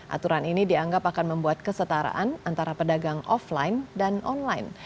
aturan ini dianggap akan membuat kesetaraan antara pedagang offline dan online